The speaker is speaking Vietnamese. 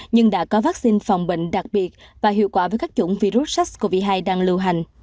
nhưng đã có vaccine phòng bệnh đặc biệt và hiệu quả với các chủng virus sars cov hai đang lưu hành